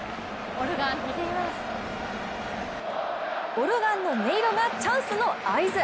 オルガンの音色がチャンスの合図。